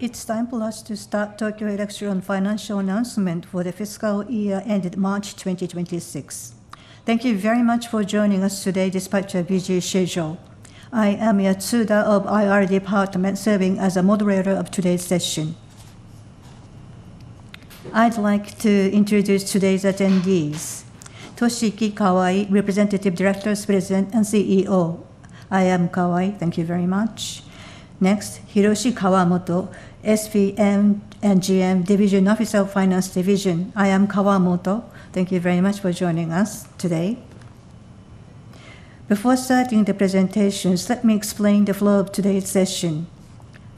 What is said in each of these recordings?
It's time for us to start Tokyo Electron financial announcement for the fiscal year ended March 2026. Thank you very much for joining us today despite your busy schedule. I am Yatsuda of IR Department, serving as a moderator of today's session. I'd like to introduce today's attendees. Toshiki Kawai, Representative Director, President, and CEO. I am Kawai. Thank you very much. Next, Hiroshi Kawamoto, SVP and GM, Division Officer, Finance Division. I am Kawamoto. Thank you very much for joining us today. Before starting the presentations, let me explain the flow of today's session.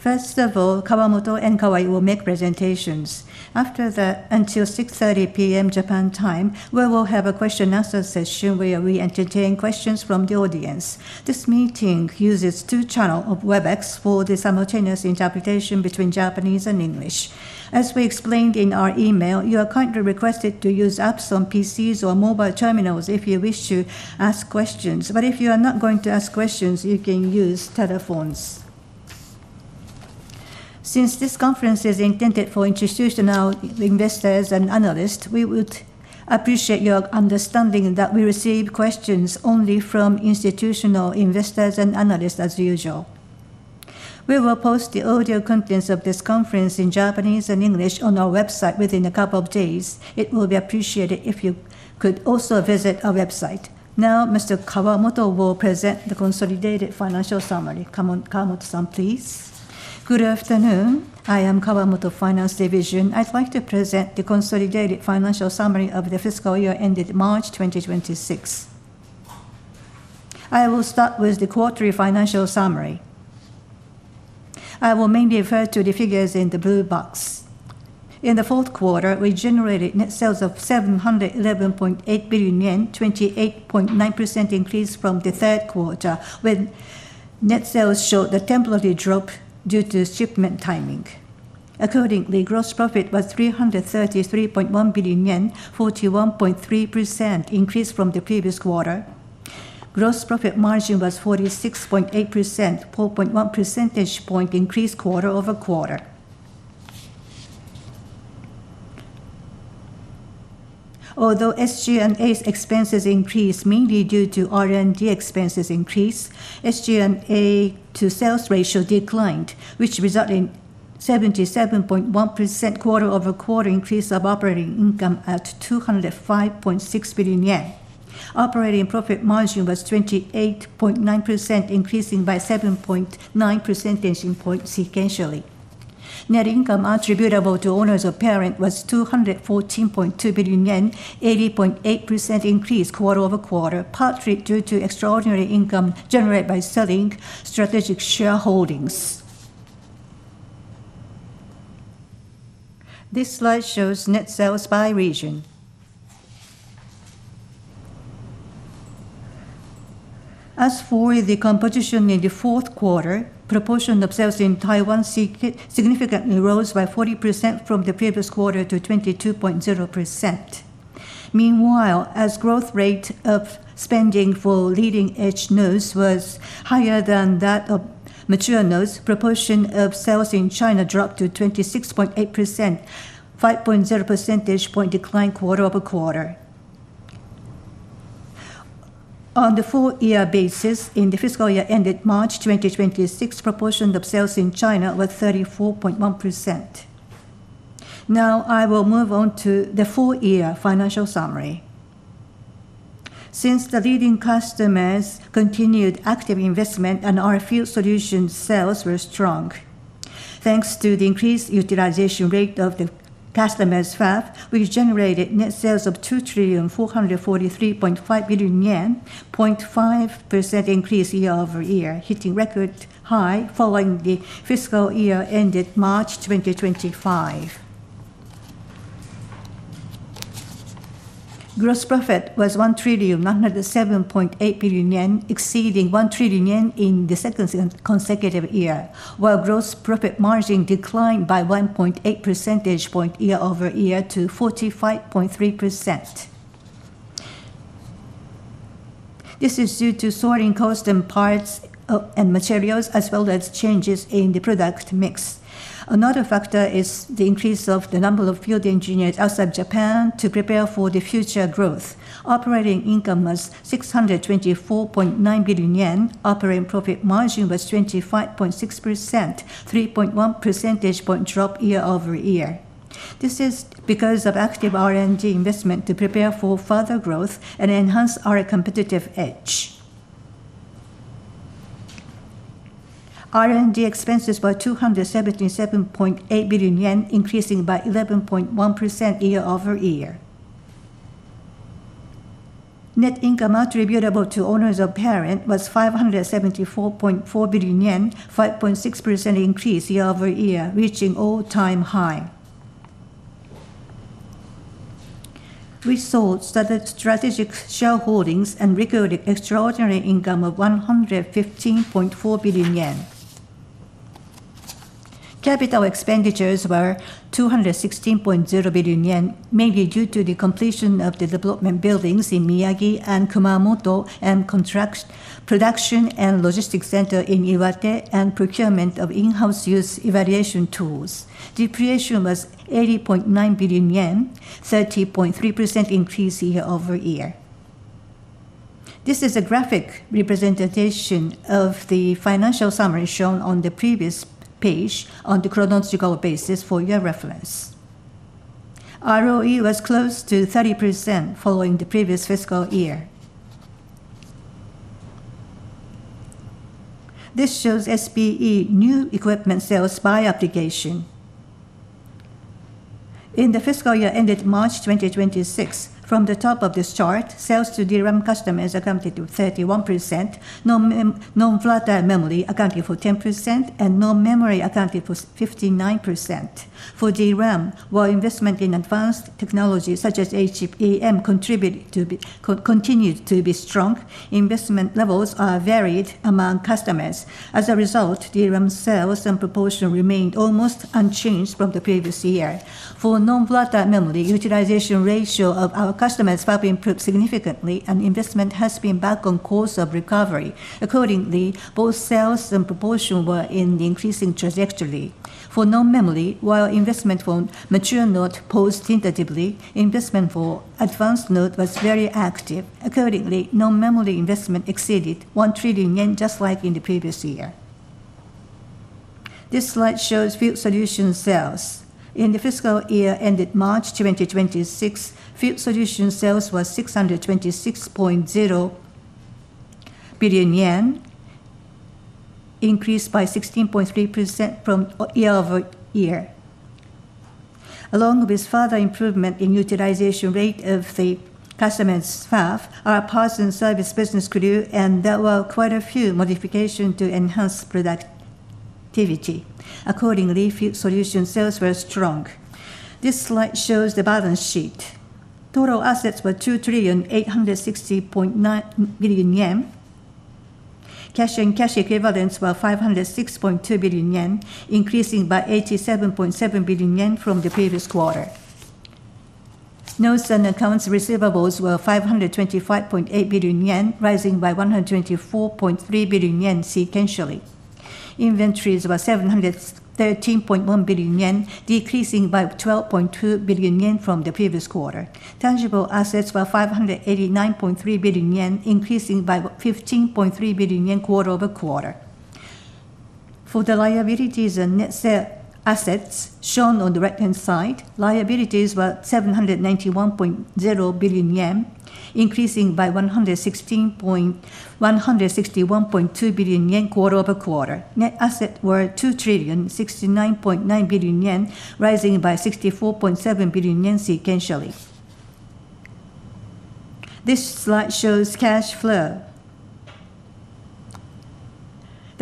First of all, Kawamoto and Kawai will make presentations. After that, until 6:30 P.M. Japan time, we will have a Q&A session where we entertain questions from the audience. This meeting uses two channels of Webex for the simultaneous interpretation between Japanese and English. As we explained in our email, you are kindly requested to use apps on PC or mobile terminals if you wish to ask questions. If you are not going to ask questions, you can use telephones. Since this conference is intended for institutional investors and analysts, we would appreciate your understanding that we receive questions only from institutional investors and analysts as usual. We will post the audio contents of this conference in Japanese and English on our website within a couple of days. It will be appreciated if you could also visit our website. Now, Mr. Kawamoto will present the consolidated financial summary. Come on, Kawamoto-san, please. Good afternoon. I am Kawamoto, Finance Division. I'd like to present the consolidated financial summary of the fiscal year ended March 2026. I will start with the quarterly financial summary. I will mainly refer to the figures in the blue box. In the Q4, we generated net sales of 711.8 billion yen, 28.9% increase from the Q3, when net sales showed a temporary drop due to shipment timing. Accordingly, gross profit was 333.1 billion yen, 41.3% increase from the previous quarter. Gross profit margin was 46.8%, 4.1 percentage point increase quarter-over-quarter. Although SG&A expenses increased mainly due to R&D expenses increase, SG&A to sales ratio declined, which result in 77.1% quarter-over-quarter increase of operating income at 205.6 billion yen. Operating profit margin was 28.9%, increasing by 7.9 percentage point sequentially. Net income attributable to owners of parent was 214.2 billion yen, 80.8% increase quarter-over-quarter, partly due to extraordinary income generated by selling strategic shareholdings. This slide shows net sales by region. As for the composition in the Q4, proportion of sales in Taiwan significantly rose by 40% from the previous quarter to 22.0%. Meanwhile, as growth rate of spending for leading-edge nodes was higher than that of mature nodes, proportion of sales in China dropped to 26.8%, 5.0 percentage point decline quarter-over-quarter. On the full year basis in the fiscal year ended March 2026, proportion of sales in China was 34.1%. Now I will move on to the full year financial summary. Since the leading customers continued active investment and our field solution sales were strong, thanks to the increased utilization rate of the customers fab, we generated net sales of 2,443.5 billion yen, 0.5% increase year-over-year, hitting record high following the fiscal year ended March 2025. Gross profit was 1,907,800,000,000 yen, exceeding 1 trillion yen in the second consecutive year, while gross profit margin declined by 1.8 percentage point year-over-year to 45.3%. This is due to soaring cost and parts and materials, as well as changes in the product mix. Another factor is the increase of the number of field engineers outside Japan to prepare for the future growth. Operating income was 624.9 billion yen. Operating profit margin was 25.6%, 3.1 percentage point drop year-over-year. This is because of active R&D investment to prepare for further growth and enhance our competitive edge. R&D expenses were 277.8 billion yen, increasing by 11.1% year-over-year. Net income attributable to owners of parent was 574.4 billion yen, 5.6% increase year-over-year, reaching all-time high. We sold static strategic shareholdings and recorded extraordinary income of 115.4 billion yen. Capital expenditures were 216.0 billion yen, mainly due to the completion of the development buildings in Miyagi and Kumamoto and contract production and logistics center in Iwate and procurement of in-house use evaluation tools. Depreciation was 80.9 billion yen, 30.3% increase year-over-year. This is a graphic representation of the financial summary shown on the previous page on the chronological basis for your reference. ROE was close to 30% following the previous fiscal year. This shows SPE new equipment sales by application. In the fiscal year ended March 2026, from the top of this chart, sales to DRAM customers accounted to 31%, non-volatile memory accounted for 10%, and non-memory accounted for 59%. For DRAM, while investment in advanced technology such as HBM continued to be strong, investment levels are varied among customers. As a result, DRAM sales and proportion remained almost unchanged from the previous year. For non-volatile memory, utilization ratio of our customers have improved significantly, and investment has been back on course of recovery. Accordingly, both sales and proportion were in the increasing trajectory. For non-memory, while investment from mature node paused tentatively, investment for advanced node was very active. Accordingly, non-memory investment exceeded 1 trillion yen, just like in the previous year. This slide shows field solution sales. In the fiscal year ended March 2026, field solution sales was 626.0 billion yen, increased by 16.3% from year-over-year. Along with further improvement in utilization rate of the customer's FAB, our parts and service business grew, and there were quite a few modification to enhance productivity. Accordingly, field solution sales were strong. This slide shows the balance sheet. Total assets were 2,860,900,000,000 billion yen. Cash and cash equivalents were 506.2 billion yen, increasing by 87.7 billion yen from the previous quarter. Notes and accounts receivables were 525.8 billion yen, rising by 124.3 billion yen sequentially. Inventories were 713.1 billion yen, decreasing by 12.2 billion yen from the previous quarter. Tangible assets were 589.3 billion yen, increasing by 15.3 billion yen quarter-over-quarter. For the liabilities and net set assets shown on the right-hand side, liabilities were 791.0 billion yen, increasing by 161.2 billion yen quarter-over-quarter. Net assets were 2,069,900,000,000 yen, rising by 64.7 billion yen sequentially. This slide shows cash flow.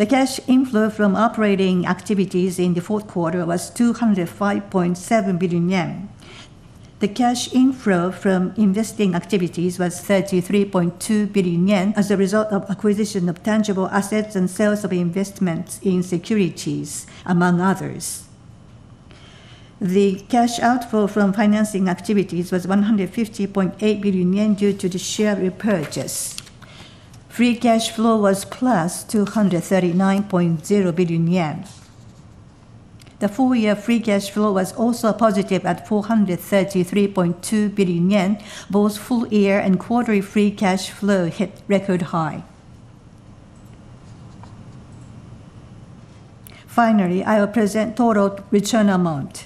The cash inflow from operating activities in the Q4 was 205.7 billion yen. The cash inflow from investing activities was 33.2 billion yen as a result of acquisition of tangible assets and sales of investments in securities, among others. The cash outflow from financing activities was 150.8 billion yen due to the share repurchase. Free cash flow was +239.0 billion yen. The full year free cash flow was also positive at 433.2 billion yen. Both full year and quarterly free cash flow hit record high. Finally, I will present total return amount.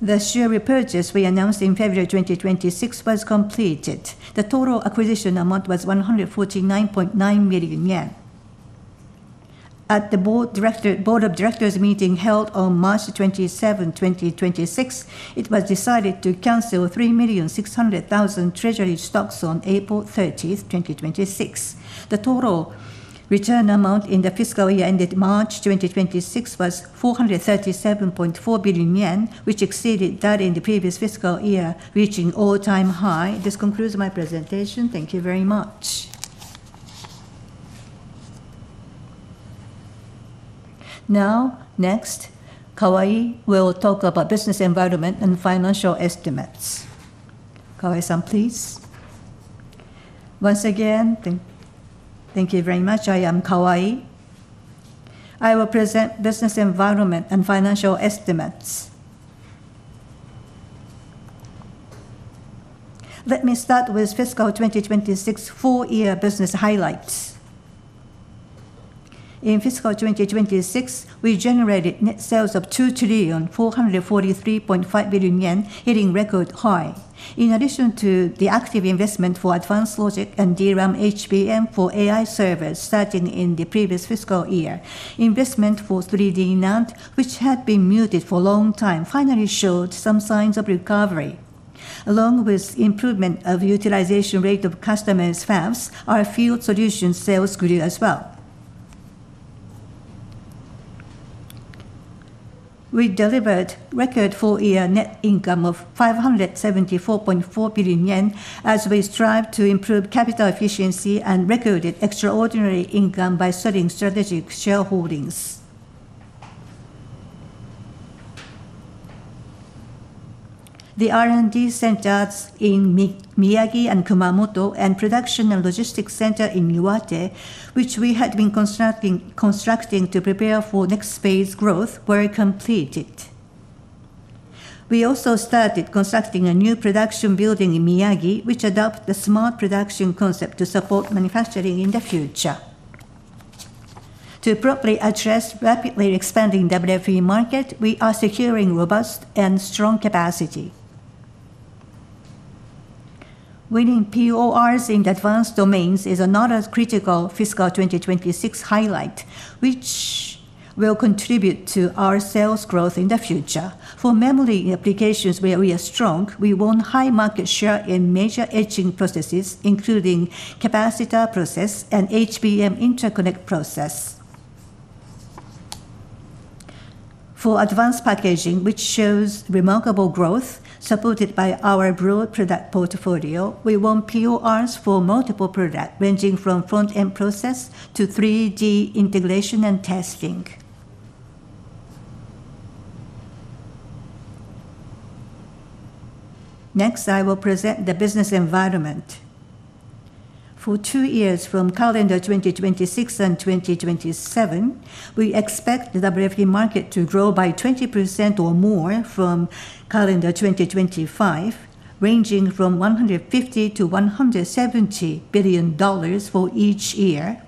The share repurchase we announced in February 2026 was completed. The total acquisition amount was 149.9 billion yen. At the board of directors meeting held on March 27, 2026, it was decided to cancel 3,600,000 treasury stocks on April 30, 2026. The total return amount in the fiscal year ended March 2026 was 437.4 billion yen, which exceeded that in the previous fiscal year, reaching all-time high. This concludes my presentation. Thank you very much. Next, Kawai will talk about business environment and financial estimates. Kawai-san, please. Once again, thank you very much. I am Kawai. I will present business environment and financial estimates. Let me start with fiscal 2026 full year business highlights. In fiscal 2026, we generated net sales of 2,443,500,000,000 yen, hitting record high. In addition to the active investment for advanced logic and DRAM HBM for AI servers starting in the previous fiscal year, investment for 3D NAND, which had been muted for a long time, finally showed some signs of recovery. Along with improvement of utilization rate of customers' fabs, our field solution sales grew as well. We delivered record full-year net income of 574.4 billion yen as we strive to improve capital efficiency and recorded extraordinary income by selling strategic shareholdings. The R&D centers in Miyagi and Kumamoto and production and logistics center in Iwate, which we had been constructing to prepare for next phase growth, were completed. We also started constructing a new production building in Miyagi, which adopt the smart production concept to support manufacturing in the future. To properly address rapidly expanding WFE market, we are securing robust and strong capacity. Winning PORs in advanced domains is another critical fiscal 2026 highlight, which will contribute to our sales growth in the future. For memory applications where we are strong, we won high market share in major etching processes, including capacitor process and HBM interconnect process. For advanced packaging, which shows remarkable growth supported by our broad product portfolio, we won PORs for multiple product, ranging from front-end process to 3D integration and testing. Next, I will present the business environment. For two years, from calendar 2026 and 2027, we expect the WFE market to grow by 20% or more from calendar 2025, ranging from $150 billion-$170 billion for each year.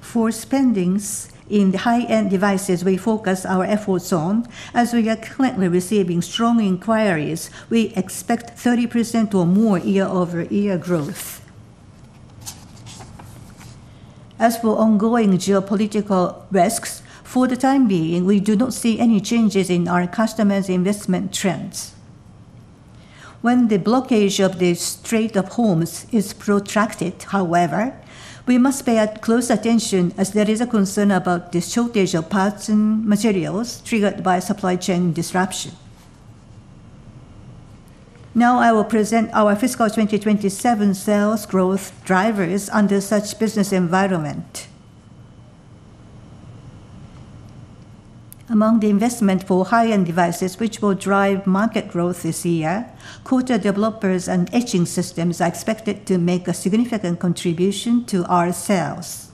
For spendings in the high-end devices we focus our efforts on, as we are currently receiving strong inquiries, we expect 30% or more year-over-year growth. As for ongoing geopolitical risks, for the time being, we do not see any changes in our customers' investment trends. When the blockage of the Strait of Hormuz is protracted, however, we must pay close attention as there is a concern about the shortage of parts and materials triggered by supply chain disruption. I will present our fiscal 2027 sales growth drivers under such business environment. Among the investment for high-end devices which will drive market growth this year, coater/developers and etching systems are expected to make a significant contribution to our sales.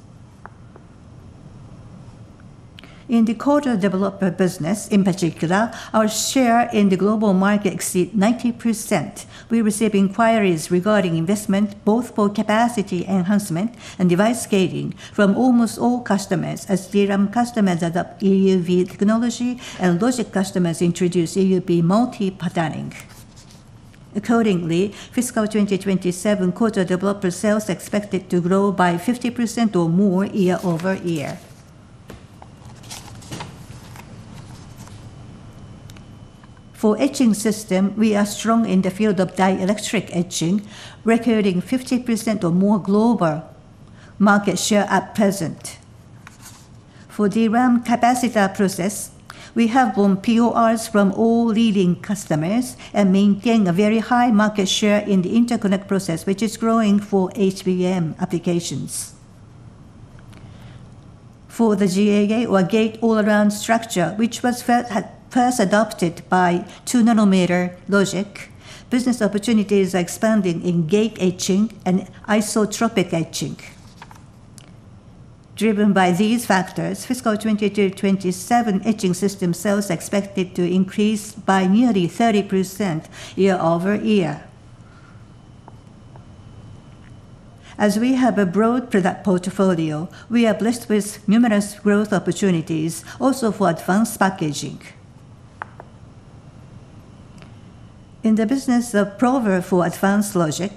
In the coater/developer business, in particular, our share in the global market exceed 90%. We receive inquiries regarding investment both for capacity enhancement and device scaling from almost all customers as DRAM customers adopt EUV technology and logic customers introduce EUV multi-patterning. Accordingly, fiscal 2027 coater/developer sales expected to grow by 50% or more year-over-year. For etching system, we are strong in the field of dielectric etching, recording 50% or more global market share at present. For DRAM capacitor process, we have won PORs from all leading customers and maintain a very high market share in the interconnect process, which is growing for HBM applications. For the GAA or Gate-All-Around structure, which was first adopted by 2 nm logic, business opportunities are expanding in gate etching and isotropic etching. Driven by these factors, fiscal 2027 etching system sales expected to increase by nearly 30% year-over-year. As we have a broad product portfolio, we are blessed with numerous growth opportunities also for advanced packaging. In the business of prober for advanced logic,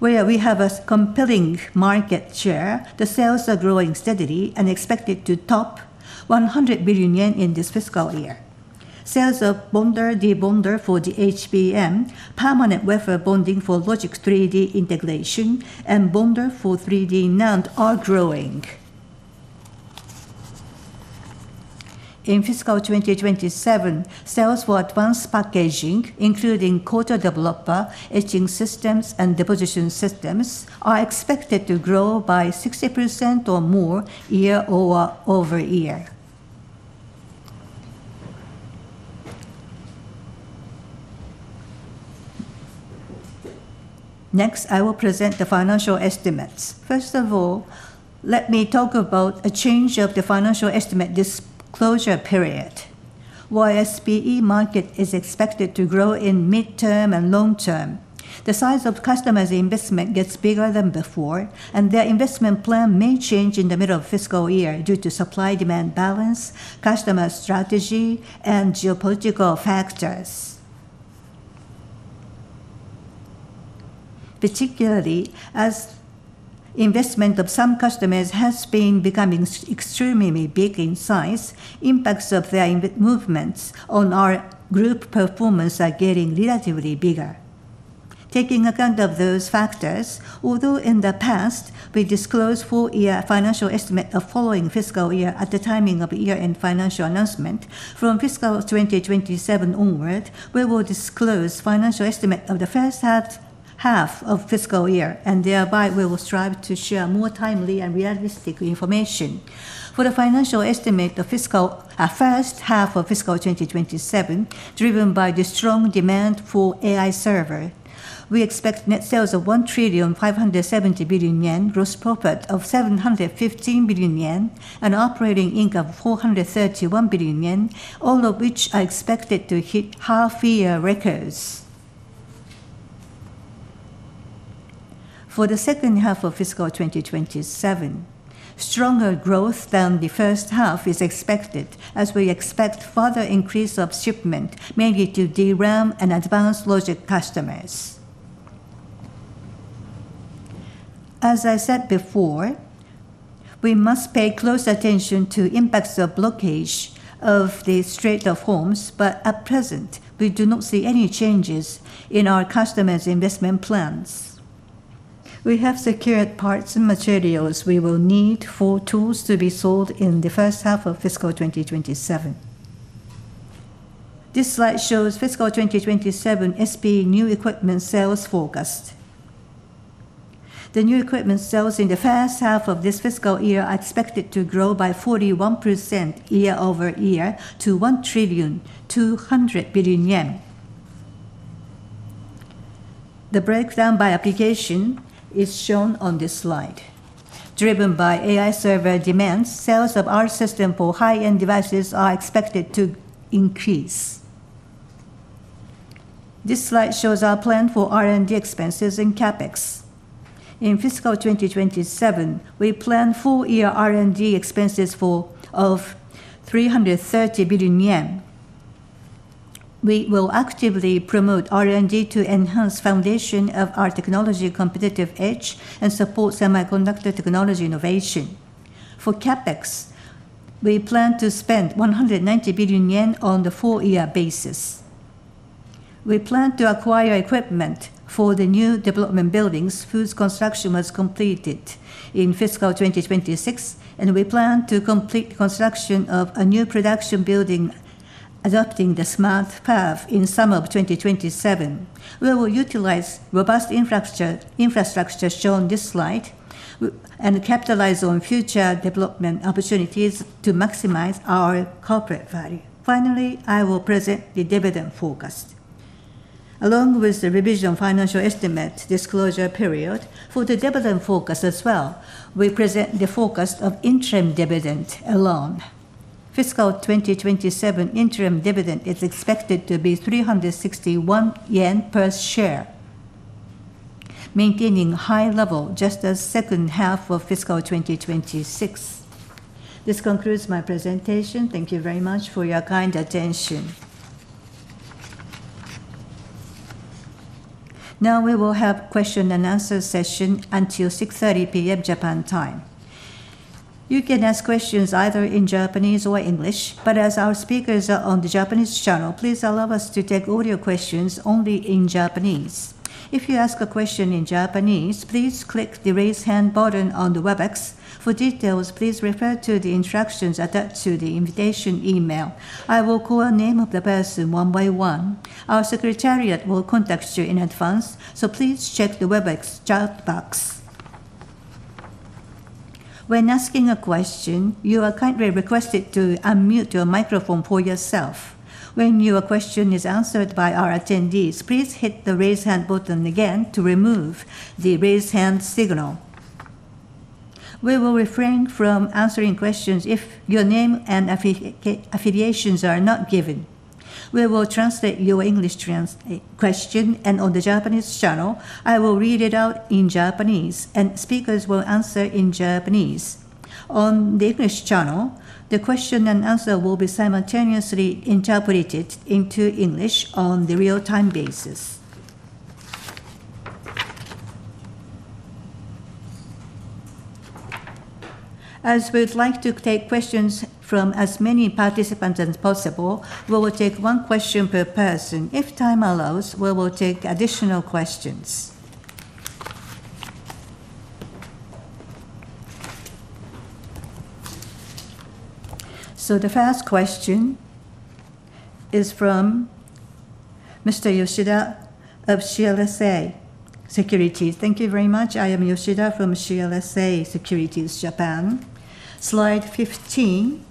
where we have a compelling market share, the sales are growing steadily and expected to top 100 billion yen in this fiscal year. Sales of bonder/debonder for the HBM, permanent wafer bonding for logic 3D integration, and bonder for 3D NAND are growing. In fiscal 2027, sales for advanced packaging, including coater/developer, etching systems, and deposition systems, are expected to grow by 60% or more year-over-year. Next, I will present the financial estimates. First of all, let me talk about a change of the financial estimate disclosure period. While SPE market is expected to grow in midterm and long term, the size of customers' investment gets bigger than before, and their investment plan may change in the middle of fiscal year due to supply-demand balance, customer strategy, and geopolitical factors. Particularly, as investment of some customers has been becoming extremely big in size, impacts of their movements on our group performance are getting relatively bigger. Taking account of those factors, although in the past we disclose full year financial estimate of following fiscal year at the timing of year-end financial announcement, from fiscal 2027 onward, we will disclose financial estimate of the H1 of fiscal year and thereby we will strive to share more timely and realistic information. For the financial estimate of H1 of fiscal 2027, driven by the strong demand for AI server, we expect net sales of 1,570,000,000,000 yen, gross profit of 715 billion yen, and operating income of 431 billion yen, all of which are expected to hit half year records. For the H2 of fiscal 2027, stronger growth than the H1 is expected as we expect further increase of shipment, mainly to DRAM and advanced logic customers. As I said before, we must pay close attention to impacts of blockage of the Strait of Hormuz. At present, we do not see any changes in our customers' investment plans. We have secured parts and materials we will need for tools to be sold in the H1 of fiscal 2027. This slide shows fiscal 2027 SPE new equipment sales forecast. The new equipment sales in the H1 of this fiscal year are expected to grow by 41% year-over-year to JPY 1.2 trillion. The breakdown by application is shown on this slide. Driven by AI server demand, sales of our system for high-end devices are expected to increase. This slide shows our plan for R&D expenses and CapEx. In fiscal 2027, we plan full year R&D expenses of 330 billion yen. We will actively promote R&D to enhance foundation of our technology competitive edge and support semiconductor technology innovation. For CapEx, we plan to spend 190 billion yen on the full year basis. We plan to acquire equipment for the new development buildings whose construction was completed in fiscal 2026, and we plan to complete construction of a new production building adopting the Smart Path in summer of 2027. We will utilize robust infrastructure shown this slide and capitalize on future development opportunities to maximize our corporate value. Finally, I will present the dividend forecast. Along with the revision financial estimate disclosure period, for the dividend forecast as well, we present the forecast of interim dividend alone. Fiscal 2027 interim dividend is expected to be 361 yen per share, maintaining high level just as H2 of fiscal 2026. This concludes my presentation. Thank you very much for your kind attention. Now we will have Q&A session until 6:30 P.M. Japan time. You can ask questions either in Japanese or English, but as our speakers are on the Japanese channel, please allow us to take audio questions only in Japanese. If you ask a question in Japanese, please click the raise hand button on the Webex. For details, please refer to the instructions attached to the invitation email. I will call name of the person one by one. Our secretariat will contact you in advance, so please check the Webex chat box. When asking a question, you are kindly requested to unmute your microphone for yourself. When your question is answered by our attendees, please hit the raise hand button again to remove the raise hand signal. We will refrain from answering questions if your name and affiliations are not given. We will translate your English question, and on the Japanese channel, I will read it out in Japanese, and speakers will answer in Japanese. On the English channel, the Q&A will be simultaneously interpreted into English on the real-time basis. As we'd like to take questions from as many participants as possible, we will take one question per person. If time allows, we will take additional questions. The first question is from Mr. Yoshida of CLSA Securities. Thank you very much. I am Yoshida from CLSA Securities Japan. Slide 15,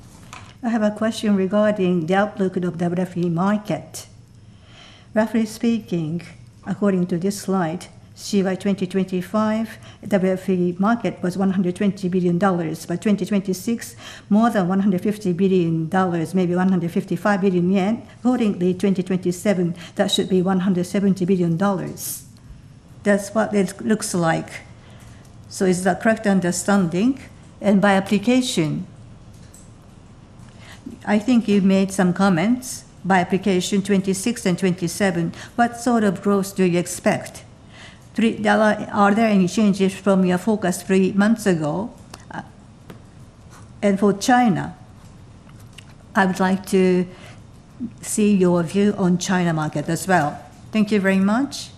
I have a question regarding the outlook of the WFE market. Roughly speaking, according to this slide, CY 2025, the WFE market was $120 billion. By 2026, more than $150 billion, maybe 155 billion yen. 2027, that should be $170 billion. That's what it looks like. Is that correct understanding? By application, I think you've made some comments by application 2026 and 2027. What sort of growth do you expect? Are there any changes from your forecast three months ago? For China, I would like to see your view on China market as well. Thank you very much.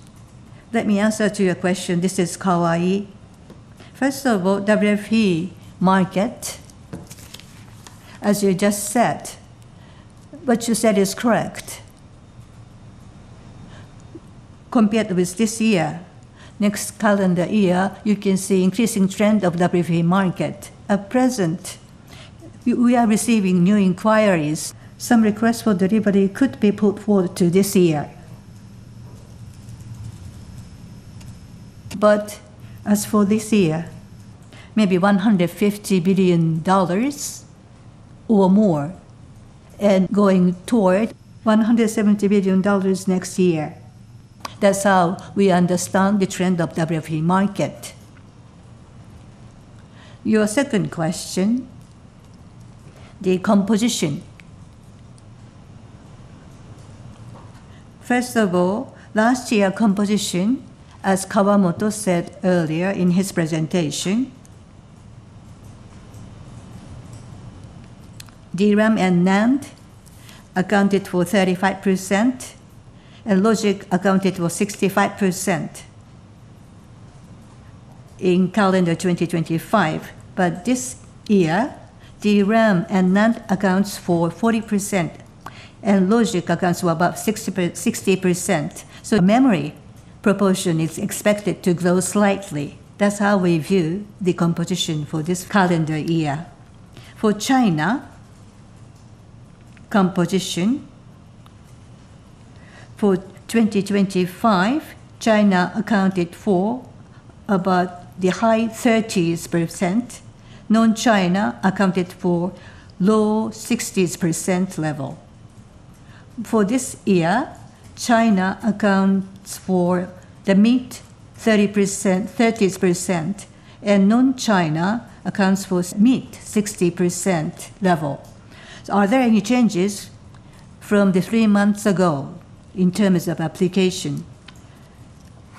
Let me answer to your question. This is Kawai. First of all, WFE market, as you just said, what you said is correct. Compared with this year, next calendar year, you can see increasing trend of WFE market. At present, we are receiving new inquiries. Some requests for delivery could be put forward to this year. As for this year, maybe $150 billion or more, and going toward $170 billion next year. That's how we understand the trend of WFE market. Your second question, the composition. First of all, last year composition, as Kawamoto said earlier in his presentation, DRAM and NAND accounted for 35%, and logic accounted for 65% in calendar 2025. This year, DRAM and NAND accounts for 40%, and logic accounts for about 60%. Memory proportion is expected to grow slightly. That's how we view the composition for this calendar year. China composition, for 2025, China accounted for about the high 30%. Non-China accounted for low 60% level. This year, China accounts for the mid 30%, and non-China accounts for mid 60% level. Are there any changes from the three months ago in terms of application?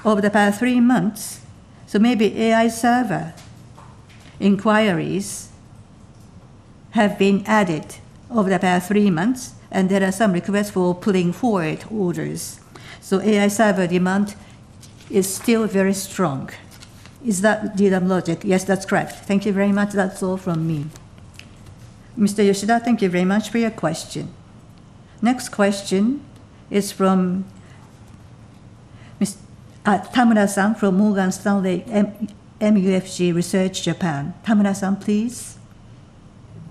Over the past three months, maybe AI server inquiries have been added over the past three months, and there are some requests for pulling forward orders. AI server demand is still very strong. Is that DRAM logic? Yes, that's correct. Thank you very much. That's all from me. Mr. Yoshida, thank you very much for your question. Next question is from Ms. Tamura-san from Morgan Stanley, MUFG Research Japan. Tamura-san, please.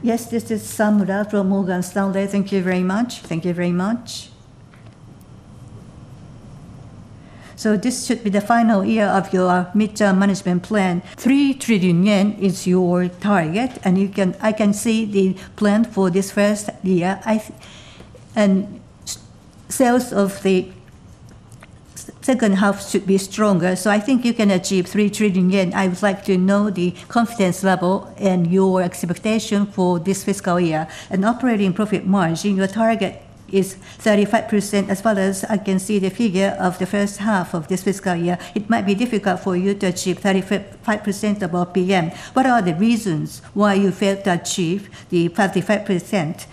Yes, this is Tamura from Morgan Stanley. Thank you very much. Thank you very much. This should be the final year of your midterm management plan. 3 trillion yen is your target. I can see the plan for this first year. Sales of the H2 should be stronger. You can achieve 3 trillion yen. I would like to know the confidence level and your expectation for this fiscal year. Operating profit margin, your target is 35%, as well as I can see the figure of the H1 of this fiscal year. It might be difficult for you to achieve 35% of OPM. What are the reasons why you failed to achieve the 35%?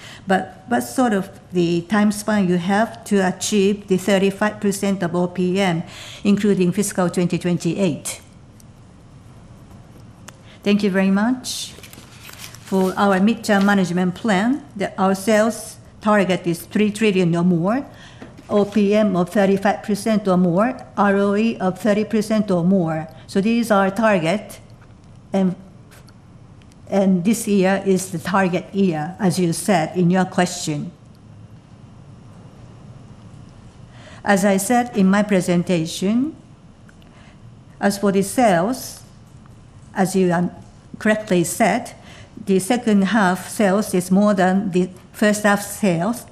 What's sort of the time span you have to achieve the 35% of OPM, including fiscal 2028? Thank you very much. For our midterm management plan, our sales target is 3 trillion or more, OPM of 35% or more, ROE of 30% or more. These are our target, and this year is the target year, as you said in your question. As I said in my presentation, as for the sales, as you correctly said, the H2 sales is more than the H1 sales.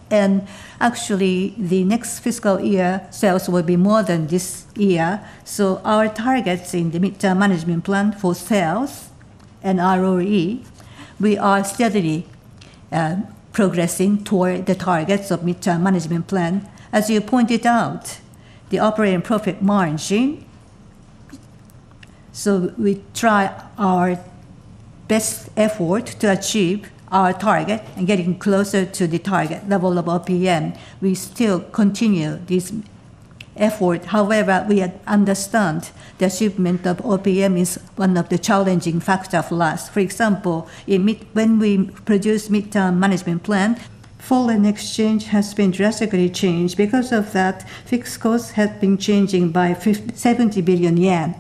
Actually, the next fiscal year sales will be more than this year. Our targets in the midterm management plan for sales and ROE, we are steadily progressing toward the targets of midterm management plan. As you pointed out, the operating profit margin, we try our best effort to achieve our target and getting closer to the target level of OPM. We still continue this effort. However, we understand the achievement of OPM is one of the challenging factor for us. For example, when we produce midterm management plan, foreign exchange has been drastically changed. Because of that, fixed costs have been changing by 70 billion yen.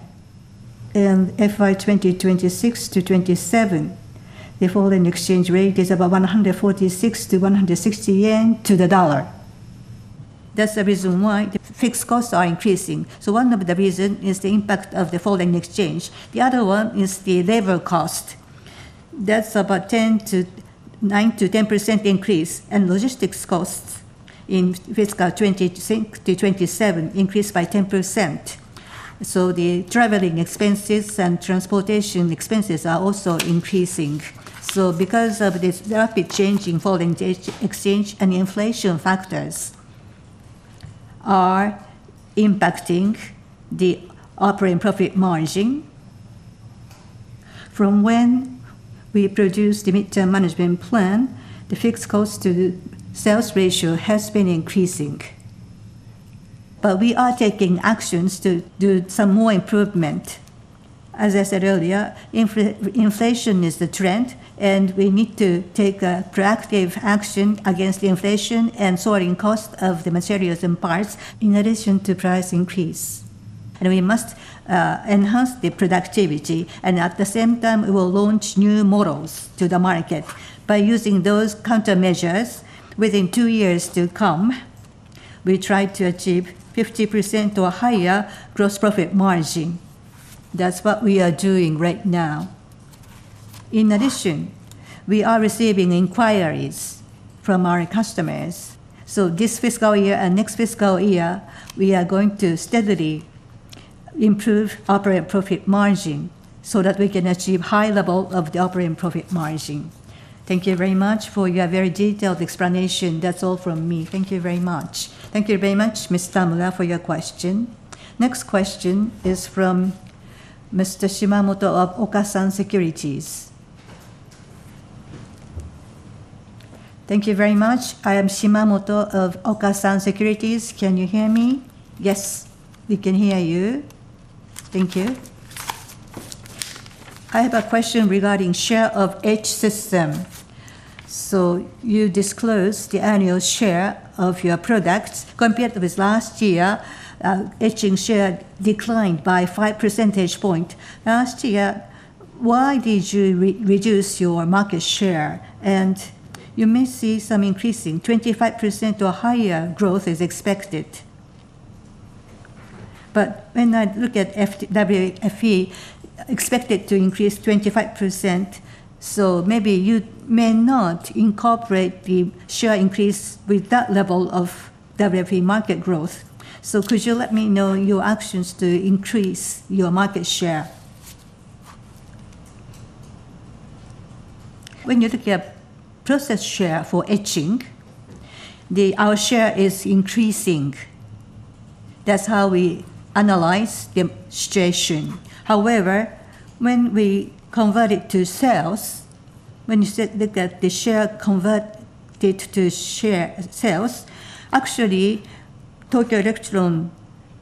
In FY 2026-2027, the foreign exchange rate is about 146-160 yen to the dollar. That's the reason why the fixed costs are increasing. One of the reason is the impact of the foreign exchange. The other one is the labor cost. That's about 9%-10% increase. Logistics costs in fiscal 2026-2027 increased by 10%. The traveling expenses and transportation expenses are also increasing. Because of the rapid change in foreign exchange and inflation factors are impacting the operating profit margin. From when we produced the midterm management plan, the fixed cost to sales ratio has been increasing. We are taking actions to do some more improvement. As I said earlier, inflation is the trend, and we need to take a proactive action against inflation and soaring cost of the materials and parts in addition to price increase. We must enhance the productivity, and at the same time, we will launch new models to the market. By using those countermeasures, within two years to come, we try to achieve 50% or higher gross profit margin. That's what we are doing right now. In addition, we are receiving inquiries from our customers, so this fiscal year and next fiscal year we are going to steadily improve operating profit margin so that we can achieve high level of the operating profit margin. Thank you very much for your very detailed explanation. That's all from me. Thank you very much. Thank you very much, Ms. Tamura, for your question. Next question is from Mr. Shimamoto of Okasan Securities. Thank you very much. I am Shimamoto of Okasan Securities. Can you hear me? Yes, we can hear you. Thank you. I have a question regarding share of etch system. You disclosed the annual share of your products. Compared with last year, etching share declined by 5 percentage points. Last year, why did you reduce your market share? You may see some increasing, 25% or higher growth is expected. When I look at WFE, expected to increase 25%, maybe you may not incorporate the share increase with that level of WFE market growth. Could you let me know your actions to increase your market share? When you look at process share for etching, our share is increasing. That's how we analyze the situation. When we convert it to sales, when you said, look at the share converted to sales, actually, Tokyo Electron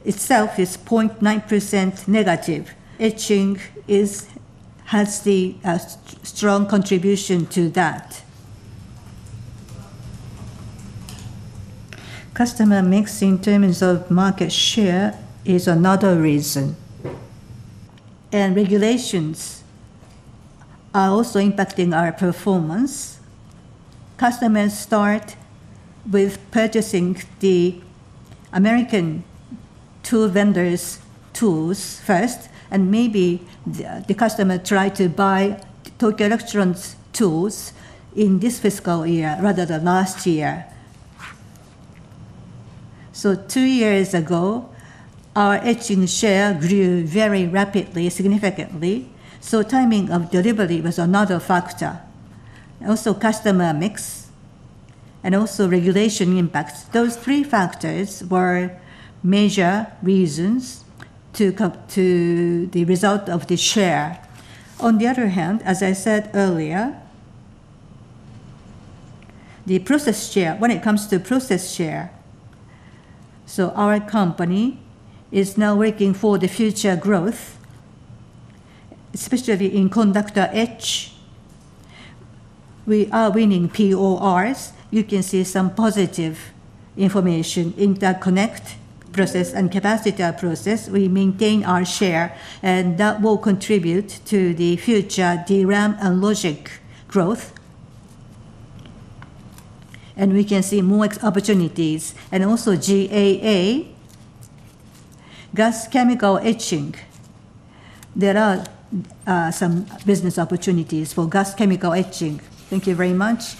itself is -0.9%, etching has the strong contribution to that. Customer mix in terms of market share is another reason, regulations are also impacting our performance. Customers start with purchasing the American tool vendors' tools first, maybe the customer try to buy Tokyo Electron's tools in this fiscal year rather than last year. Two years ago, our etching share grew very rapidly, significantly, timing of delivery was another factor. Also customer mix and also regulation impacts. Those three factors were major reasons to come to the result of the share. As I said earlier, the process share, when it comes to process share, our company is now working for the future growth, especially in conductor etch. We are winning PORs. You can see some positive information interconnect process and capacitor process, we maintain our share, that will contribute to the future DRAM and logic growth. We can see more opportunities. And also GAA, gas chemical etching. There are some business opportunities for gas chemical etching. Thank you very much.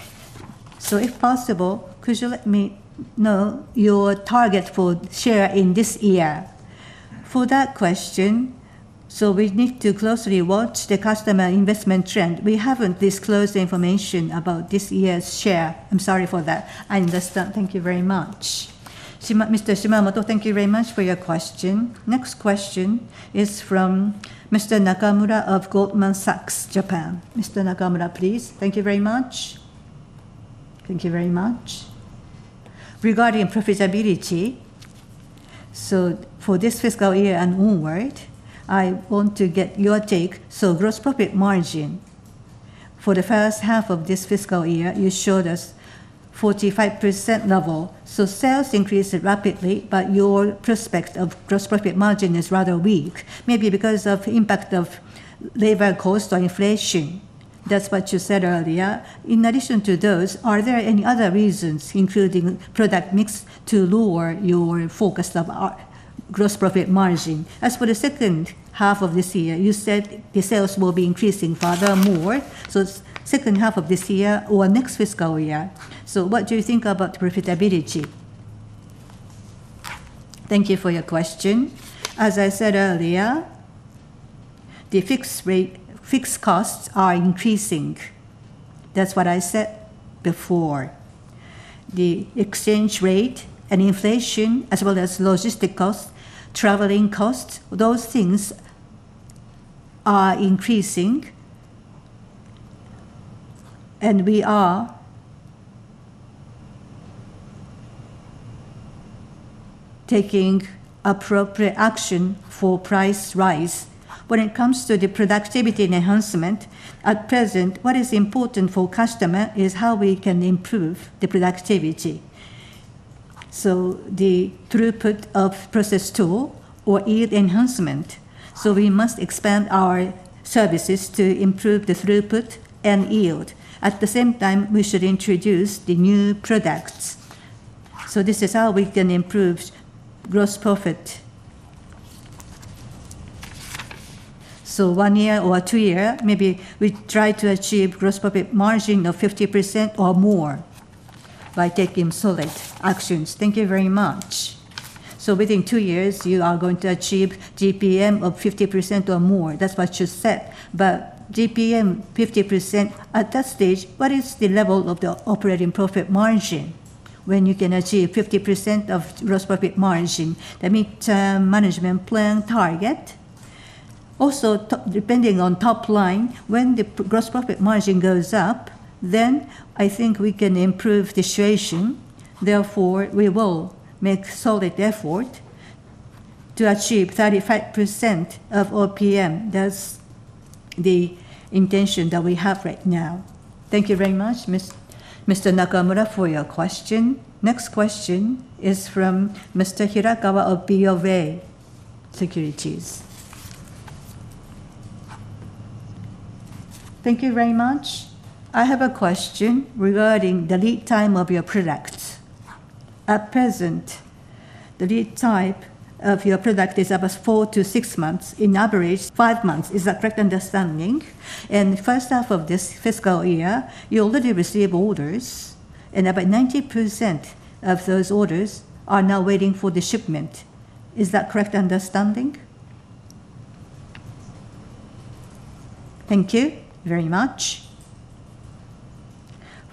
If possible, could you let me know your target for share in this year? For that question, we need to closely watch the customer investment trend. We haven't disclosed the information about this year's share. I'm sorry for that. I understand. Thank you very much. Mr. Shimamoto, thank you very much for your question. Next question is from Mr. Nakamura of Goldman Sachs Japan. Mr. Nakamura, please. Thank you very much. Thank you very much. Regarding profitability, for this fiscal year and onward, I want to get your take. Gross profit margin for the H1 of this fiscal year, you showed us 45% level. Sales increased rapidly, but your prospect of gross profit margin is rather weak, maybe because of impact of labor cost or inflation. That's what you said earlier. In addition to those, are there any other reasons, including product mix, to lower your forecast of gross profit margin? As for the H2 of this year, you said the sales will be increasing furthermore, H2 of this year or next fiscal year. What do you think about profitability? Thank you for your question. As I said earlier, fixed costs are increasing. That's what I said before. The exchange rate and inflation, as well as logistic costs, traveling costs, those things are increasing, and we are taking appropriate action for price rise. When it comes to the productivity enhancement, at present, what is important for customer is how we can improve the productivity. The throughput of process tool or yield enhancement. We must expand our services to improve the throughput and yield. At the same time, we should introduce the new products. This is how we can improve gross profit. one year or two year, maybe we try to achieve gross profit margin of 50% or more by taking solid actions. Thank you very much. Within two years, you are going to achieve GPM of 50% or more. That's what you said. GPM 50%, at that stage, what is the level of the operating profit margin when you can achieve 50% of gross profit margin? The mid-term management plan target. Also depending on top line, when the gross profit margin goes up, then I think we can improve the situation. Therefore, we will make solid effort to achieve 35% of OPM. That's the intention that we have right now. Thank you very much, Mr. Nakamura, for your question. Next question is from Mr. Hirakawa of BofA Securities. Thank you very much. I have a question regarding the lead time of your product. At present, the lead time of your product is about 4-6 months. In average, five months. Is that correct understanding? H1 of this fiscal year, you already receive orders, and about 90% of those orders are now waiting for the shipment. Is that correct understanding? Thank you very much.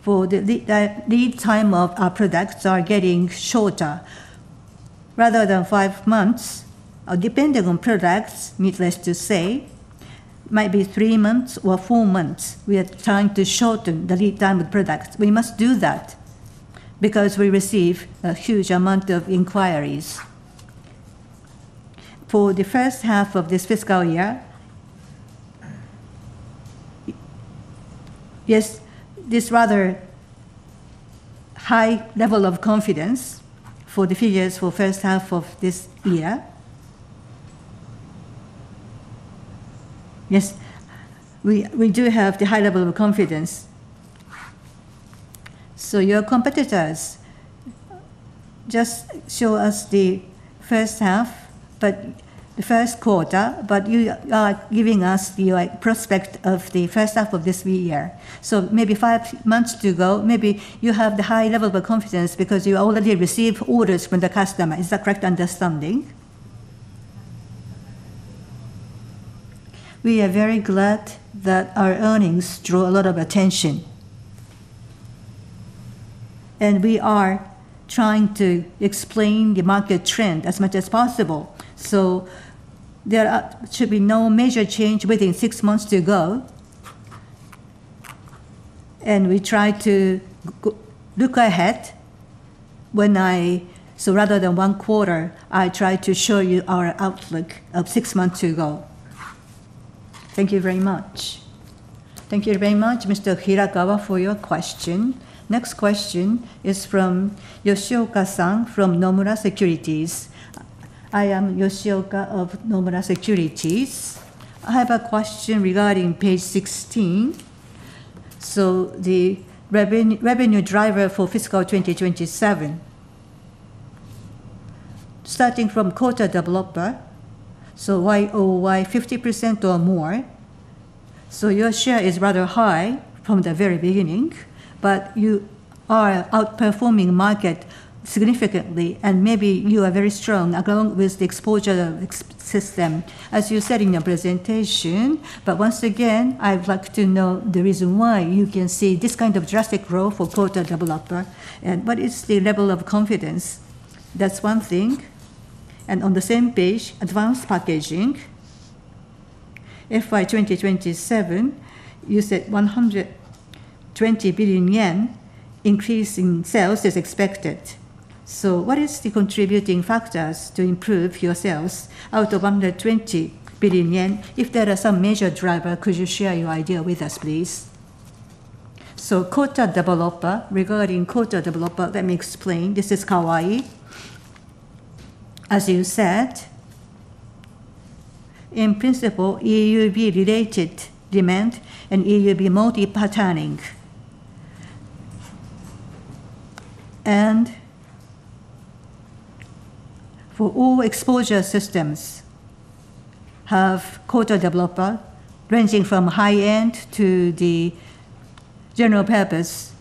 The lead time of our products are getting shorter. Rather than five months, depending on products, needless to say, might be three months or four months. We are trying to shorten the lead time of products. We must do that because we receive a huge amount of inquiries. For the H1 of this fiscal year. Yes, this rather high level of confidence for the figures for H1 of this year. Yes, we do have the high level of confidence. Your competitors just show us the H1, but the Q1, but you are giving us your prospect of the H1 of this new year. Maybe five months to go, maybe you have the high level of confidence because you already receive orders from the customer. Is that correct understanding? We are very glad that our earnings draw a lot of attention. We are trying to explain the market trend as much as possible. There should be no major change within six months to go. We try to look ahead rather than one quarter, I try to show you our outlook of six months to go. Thank you very much. Thank you very much, Mr. Hirakawa, for your question. Next question is from Yoshioka from Nomura Securities. I am Yoshioka of Nomura Securities. I have a question regarding page 16. The revenue driver for fiscal 2027. Starting from coater/developer, year-over-year 50%, or more. Your share is rather high from the very beginning, but you are outperforming market significantly, and maybe you are very strong along with the exposure system, as you said in your presentation. Once again, I would like to know the reason why you can see this kind of drastic growth for coater/developer, and what is the level of confidence? That's one thing. On the same page, advanced packaging, FY 2027, you said 120 billion yen increase in sales is expected. What is the contributing factors to improve your sales out of 120 billion yen? If there are some major driver, could you share your idea with us, please? Coater/developer, regarding coater/developer, let me explain. This is Kawai. As you said, in principle, EUV related demand and EUV multi-patterning. For all exposure systems have coater/developer ranging from high-end to the general purpose.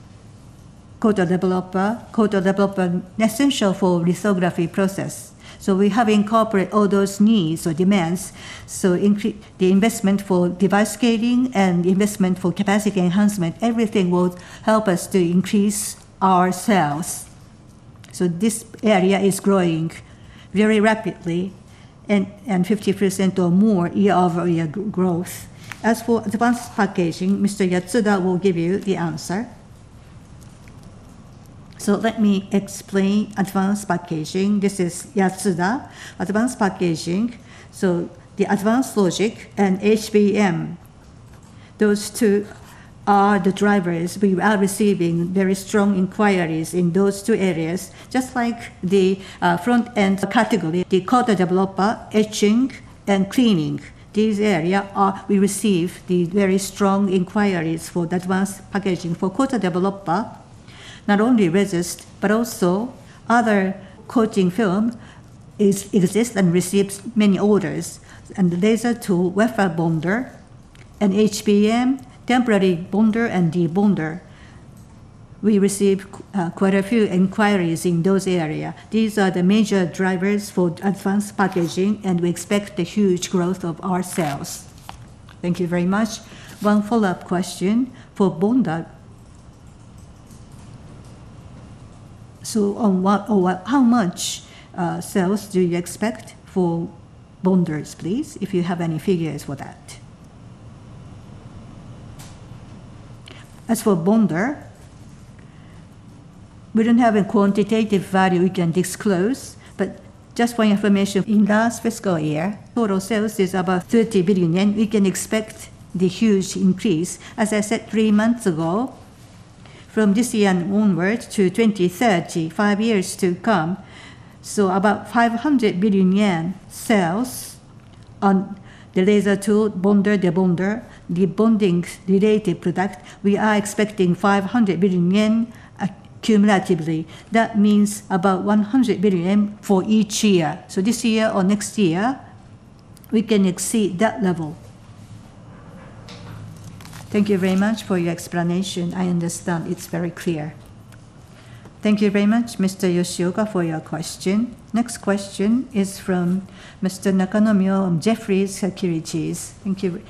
Coater/developer. Coater/developer essential for lithography process. We have incorporate all those needs or demands, the investment for device scaling and investment for capacity enhancement, everything will help us to increase our sales. This area is growing very rapidly and 50%, or more year-over-year growth. As for advanced packaging, Mr. Yatsuda will give you the answer. Let me explain advanced packaging. This is Yatsuda. Advanced packaging, the advanced logic and HBM, those two are the drivers. We are receiving very strong inquiries in those two areas, just like the front-end category, the coater/developer, etching, and cleaning. These area we receive the very strong inquiries for advanced packaging. For coater/developer, not only resist, but also other coating film exists and receives many orders. Laser tool, wafer bonder, and HBM, temporary bonder/debonder, we receive quite a few inquiries in those area. These are the major drivers for advanced packaging, and we expect a huge growth of our sales. Thank you very much. One follow-up question for bonder. How much sales do you expect for bonders, please, if you have any figures for that? As for bonder, we don't have a quantitative value we can disclose, but just for your information, in last fiscal year, total sales is about 30 billion yen. We can expect the huge increase. As I said three months ago, from this year onwards to 2030, five years to come, about 500 billion yen sales on the laser tool, bonder/debonder, debonding related product, we are expecting 500 billion yen accumulatively. That means about 100 billion yen for each year. This year or next year, we can exceed that level. Thank you very much for your explanation. I understand. It's very clear. Thank you very much, Mr. Yoshioka, for your question. Next question is from Mr. Nakanomyo of Jefferies Japan. Thank you.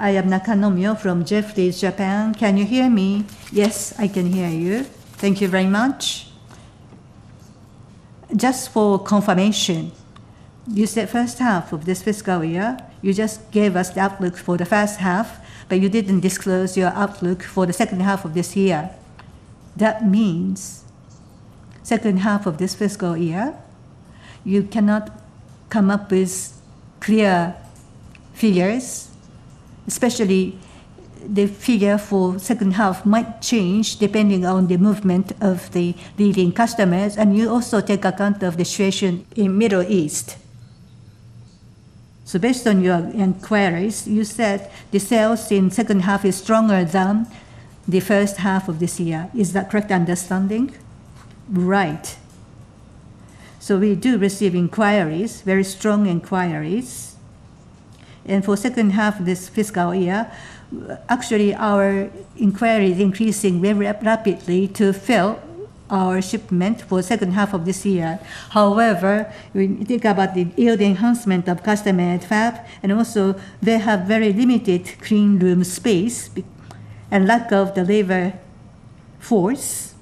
I am Nakanomyo from Jefferies Japan. Can you hear me? Yes, I can hear you. Thank you very much. Just for confirmation, you said H1 of this fiscal year, you just gave us the outlook for the H1, but you didn't disclose your outlook for the H2 of this year. That means H2 of this fiscal year, you cannot come up with clear figures, especially the figure for H2 might change depending on the movement of the leading customers, and you also take account of the situation in Middle East. Based on your inquiries, you said the sales in H2 is stronger than the H1 of this year? Is that correct understanding? Right. We do receive inquiries, very strong inquiries, and for H2 of this fiscal year, actually our inquiry is increasing very rapidly to fill our shipment for H2 of this year. However, when you think about the yield enhancement of customer FAB, and also they have very limited clean room space and lack of the labor force,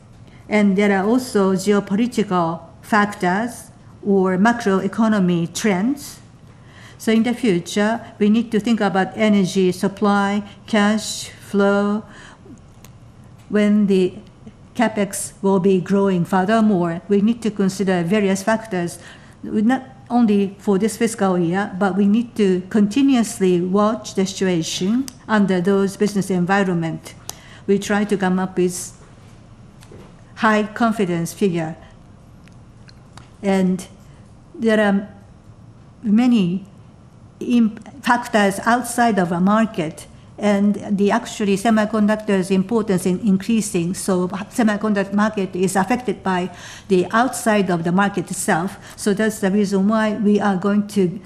and there are also geopolitical factors or macroeconomy trends. In the future, we need to think about energy supply, cash flow. When the CapEx will be growing furthermore, we need to consider various factors, not only for this fiscal year, but we need to continuously watch the situation under those business environment. We try to come up with high confidence figure. There are many factors outside of our market, and the actually semiconductor's importance in increasing, semiconductor market is affected by the outside of the market itself. That's the reason why we are going to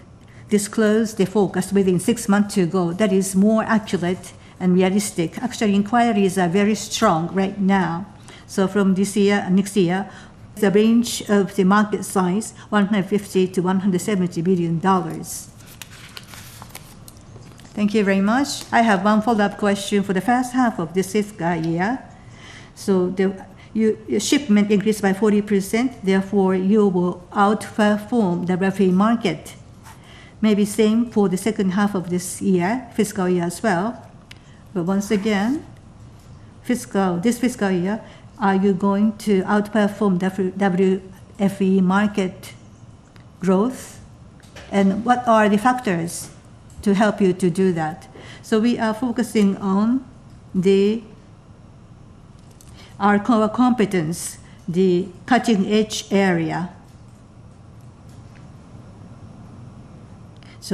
disclose the forecast within six months to go. That is more accurate and realistic. Actually, inquiries are very strong right now. From this year and next year, the range of the market size, $150 billion-$170 billion. Thank you very much. I have one follow-up question for the H1 of this fiscal year. Shipment increased by 40%, therefore you will outperform the WFE market. Maybe same for the H2 of this year, fiscal year as well. Once again, this fiscal year, are you going to outperform the WFE market growth? What are the factors to help you to do that? We are focusing on our core competence, the cutting-edge area.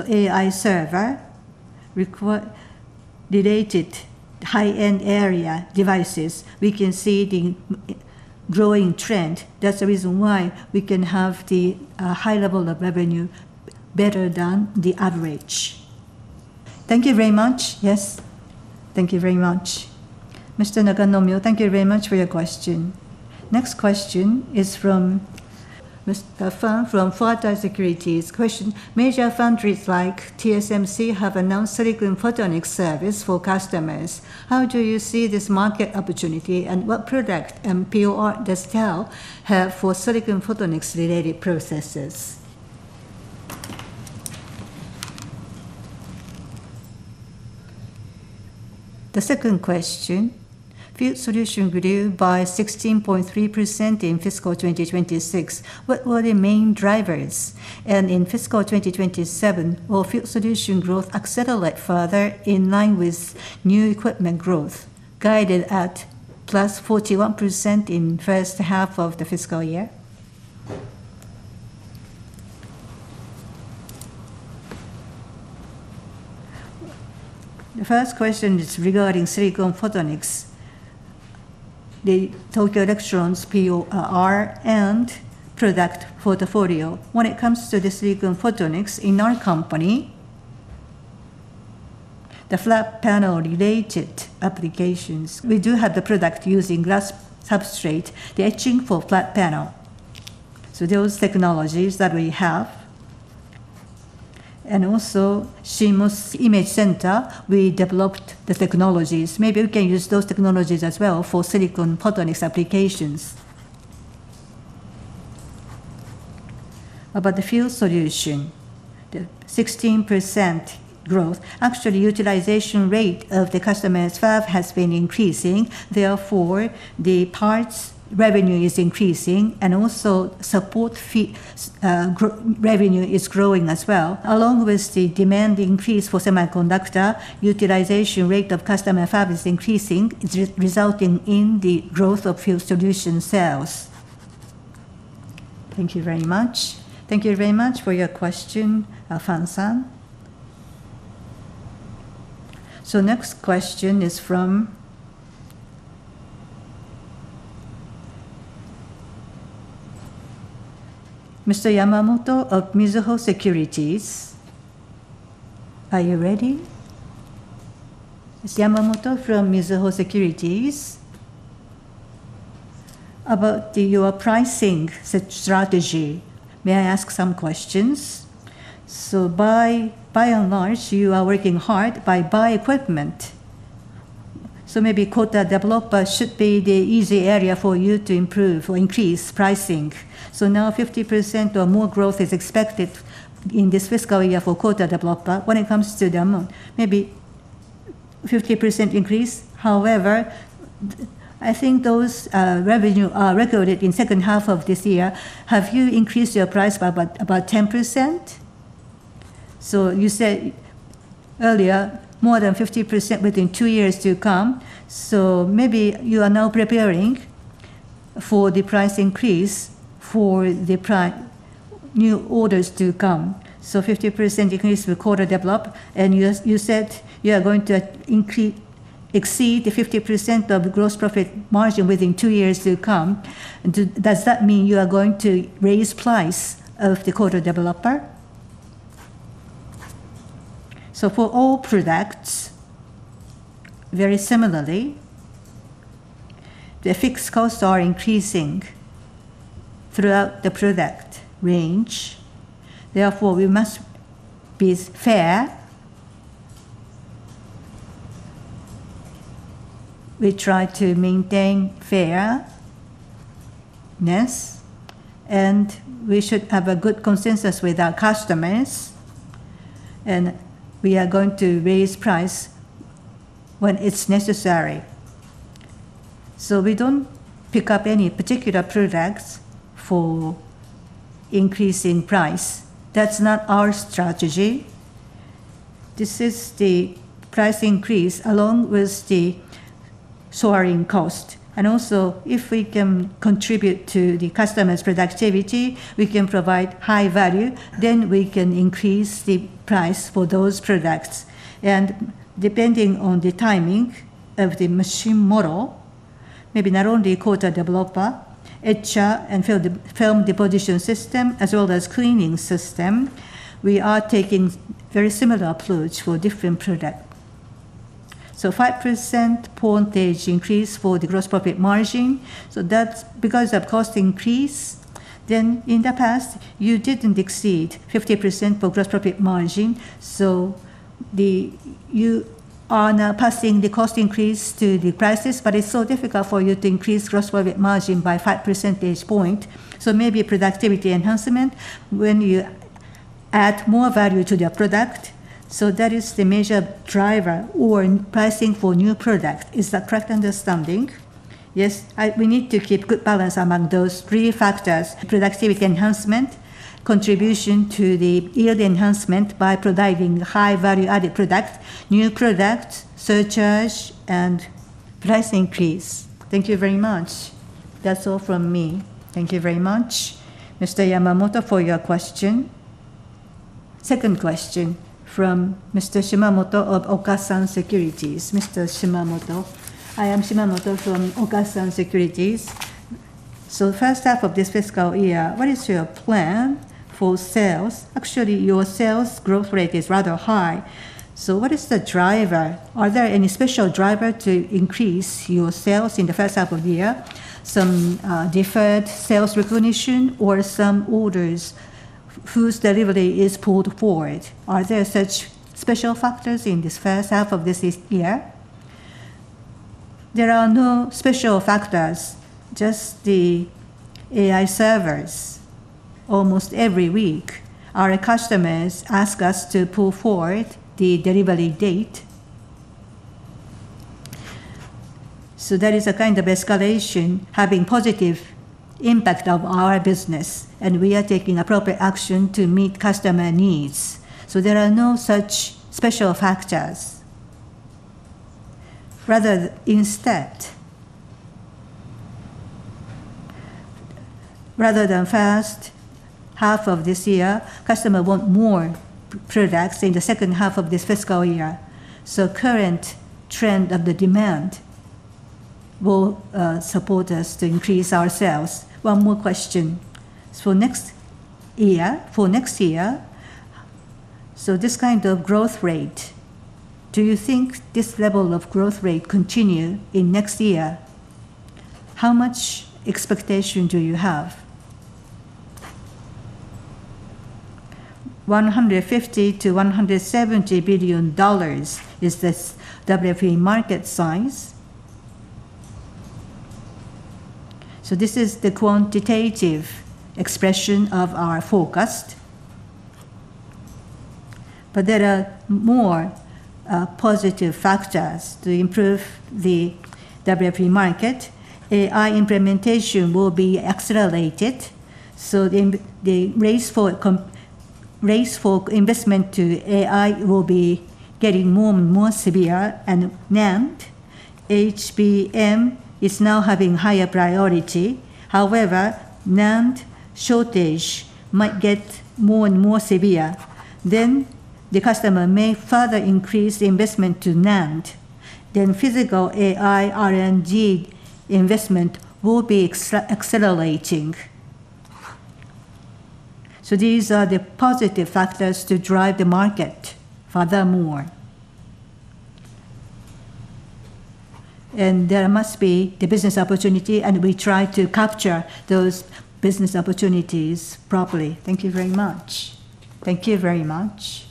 AI server related high-end area devices, we can see the growing trend. That's the reason why we can have the high level of revenue better than the average. Thank you very much. Yes. Thank you very much. Mr. Nakanomyo, thank you very much for your question. Next question is from Mr. Fan from [Faida] Securities. Major foundries like TSMC have announced silicon photonics service for customers. How do you see this market opportunity, and what product and POR does TEL have for silicon photonics-related processes? The second question, field solution grew by 16.3% in fiscal 2026. What were the main drivers? In fiscal 2027, will field solution growth accelerate further in line with new equipment growth guided at plus 41% in H1 of the fiscal year? The first question is regarding silicon photonics, the Tokyo Electron's POR and product portfolio. When it comes to the silicon photonics in our company, the flat panel-related applications, we do have the product using glass substrate, the etching for flat panel. Those technologies that we have. Also, CMOS image sensor, we developed the technologies. Maybe we can use those technologies as well for silicon photonics applications. About the field solution, the 16% growth, actually, utilization rate of the customer FAB has been increasing, therefore, the parts revenue is increasing, and also support fee revenue is growing as well. Along with the demand increase for semiconductor, utilization rate of customer FAB is increasing, resulting in the growth of field solutions sales. Thank you very much. Thank you very much for your question, Fan-san. Next question is from Mr. Yamamoto of Mizuho Securities. Are you ready? Mr. Yamamoto from Mizuho Securities. About your pricing strategy, may I ask some questions? By and large, you are working hard buy equipment. Maybe coater/developer should be the easy area for you to improve or increase pricing. Now 50% or more growth is expected in this fiscal year for coater/developer when it comes to the amount, maybe 50% increase. However, I think those revenue are recorded in H2 of this year. Have you increased your price by about 10%? You said earlier, more than 50% within two years to come. Maybe you are now preparing for the price increase for the new orders to come. 50% increase for coater/developer, and you said you are going to exceed the 50% of gross profit margin within two years to come. Does that mean you are going to raise price of the coater/developer? For all products, very similarly, the fixed costs are increasing throughout the product range. Therefore, we must be fair. We try to maintain fairness, and we should have a good consensus with our customers, and we are going to raise price when it's necessary. We don't pick up any particular products for increase in price. That's not our strategy. This is the price increase along with the soaring cost. If we can contribute to the customer's productivity, we can provide high value, then we can increase the price for those products. Depending on the timing of the machine model, maybe not only coater/developer, etcher, and film deposition system, as well as cleaning system, we are taking very similar approach for different product. So, 5 percentage point increase for the gross profit margin, so that's because of cost increase. In the past, you didn't exceed 50% for gross profit margin, you are now passing the cost increase to the prices, but it's so difficult for you to increase gross profit margin by 5 percentage point. Maybe productivity enhancement when you add more value to your product. That is the major driver or pricing for new product. Is that correct understanding? Yes, we need to keep good balance among those three factors, productivity enhancement, contribution to the yield enhancement by providing high value-added product, new product, surcharge, and price increase. Thank you very much. That's all from me. Thank you very much, Mr. Yamamoto, for your question. Second question from Mr. Shimamoto of Okasan Securities. Mr. Shimamoto. I am Shimamoto from Okasan Securities. H1 of this fiscal year, what is your plan for sales? Actually, your sales growth rate is rather high. What is the driver? Are there any special driver to increase your sales in the H1 of the year? Some deferred sales recognition or some orders whose delivery is pulled forward? Are there such special factors in this H1 of this year? There are no special factors, just the AI servers. Almost every week, our customers ask us to pull forward the delivery date. There is a kind of escalation having positive impact of our business, and we are taking appropriate action to meet customer needs. There are no such special factors. Rather than H1 of this year, customer want more products in the H2 of this fiscal year. Current trend of the demand will support us to increase our sales. One more question. For next year, this kind of growth rate, do you think this level of growth rate continue in next year? How much expectation do you have? $150 billion-$170 billion is this WFE market size. This is the quantitative expression of our forecast. There are more positive factors to improve the WFE market. AI implementation will be accelerated, the race for investment to AI will be getting more and more severe. NAND, HBM is now having higher priority. However, NAND shortage might get more and more severe. The customer may further increase investment to NAND. Physical AI R&D investment will be accelerating. These are the positive factors to drive the market furthermore. There must be the business opportunity, and we try to capture those business opportunities properly. Thank you very much. Thank you very much.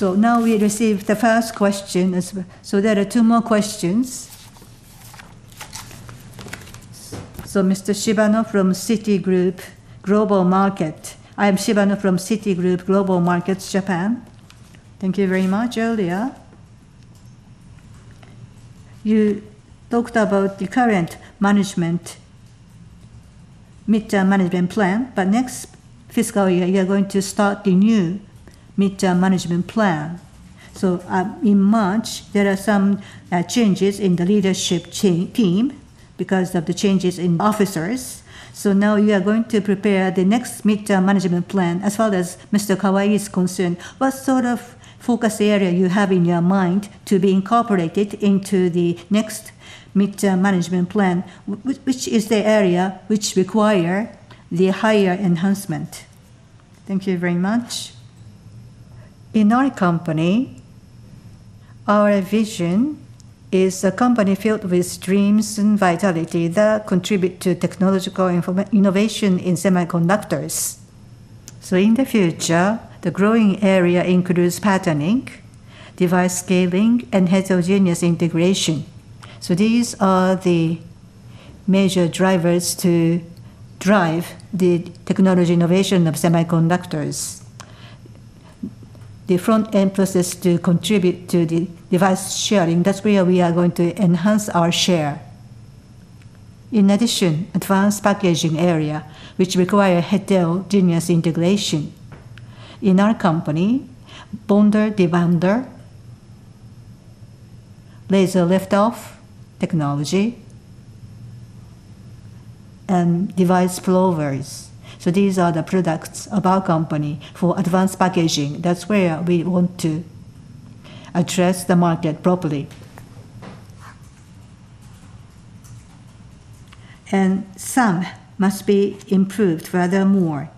Now we receive the first question as well. There are two more questions. Mr. Shibano from Citigroup Global Markets. I am Shibano from Citigroup Global Markets Japan. Thank you very much. Earlier, you talked about the current management, midterm management plan. Next fiscal year, you are going to start the new midterm management plan. In March, there are some changes in the leadership team because of the changes in officers. Now you are going to prepare the next midterm management plan. As far as Mr. Kawai is concerned, what sort of focus area you have in your mind to be incorporated into the next midterm management plan, which is the area which require the higher enhancement? Thank you very much. In our company, our vision is a company filled with dreams and vitality that contribute to technological innovation in semiconductors. In the future, the growing area includes patterning, device scaling, and heterogeneous integration. These are the major drivers to drive the technology innovation of semiconductors. The front emphasis to contribute to the device sharing, that's where we are going to enhance our share. Advanced packaging area, which require heterogeneous integration. In our company, bonder/debonder, laser lift-off technology, and device flow probers. These are the products of our company for advanced packaging. That's where we want to address the market properly. Some must be improved furthermore.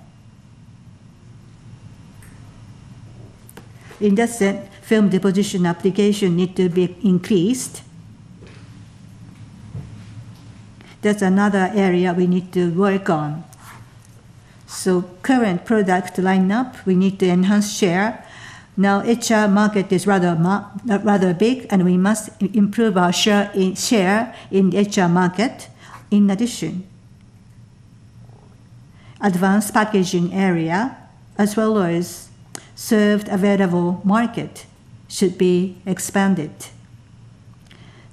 In that sense, film deposition application need to be increased. That's another area we need to work on. Current product lineup, we need to enhance share. Etcher market is rather big, we must improve our share in the etcher market. Advanced packaging area as well as served available market should be expanded.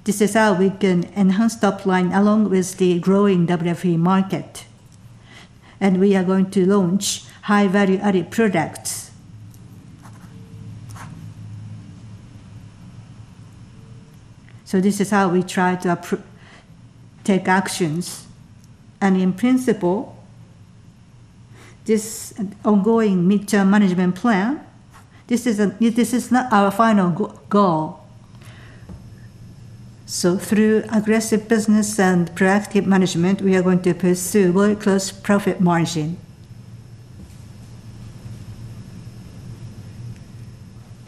This is how we can enhance top line along with the growing WFE market, we are going to launch high value-added products. This is how we try to take actions. In principle. This ongoing midterm management plan, this is not our final goal. Through aggressive business and proactive management, we are going to pursue very close profit margin.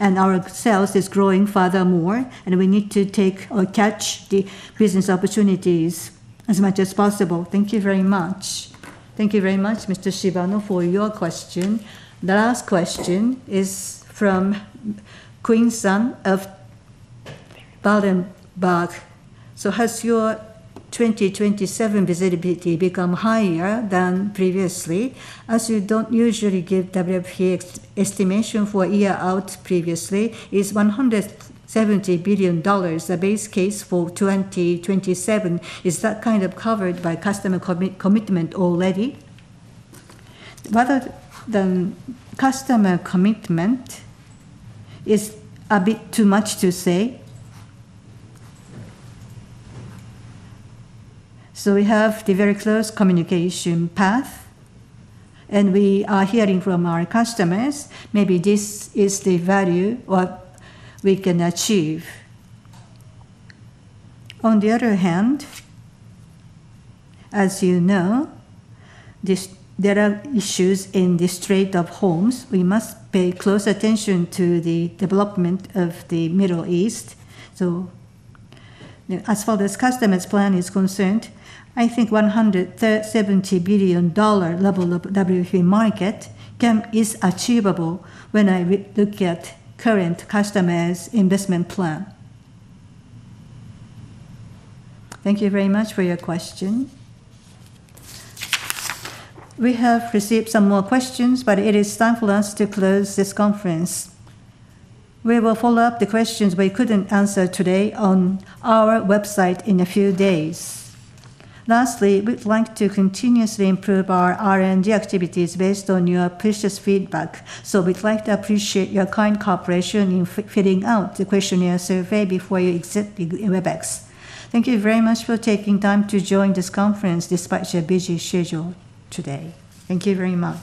Our sales is growing furthermore, and we need to take or catch the business opportunities as much as possible. Thank you very much. Thank you very much, Mr. Shibano, for your question. The last question is from Queen-san of Baader Bank. Has your 2027 visibility become higher than previously, as you don't usually give WFE estimation for a year out previously? Is $170 billion the base case for 2027? Is that kind of covered by customer commitment already? Rather than customer commitment is a bit too much to say. We have the very close communication path, and we are hearing from our customers, maybe this is the value what we can achieve. On the other hand, as you know, there are issues in the Strait of Hormuz. We must pay close attention to the development of the Middle East. As far as customers' plan is concerned, I think $170 billion level of WFE market is achievable when I look at current customers' investment plan. Thank you very much for your question. We have received some more questions, but it is time for us to close this conference. We will follow up the questions we couldn't answer today on our website in a few days. Lastly, we'd like to continuously improve our R&D activities based on your precious feedback. We'd like to appreciate your kind cooperation in filling out the questionnaire survey before you exit Webex. Thank you very much for taking time to join this conference despite your busy schedule today. Thank you very much.